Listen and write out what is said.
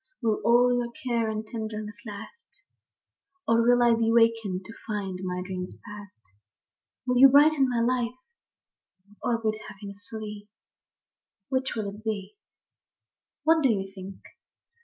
Will all your care and your tenderness last ; Or will I be wakened to find my dreams past? Will you brighten my life, or bid happiness flee, — Which will it be ? What do you think?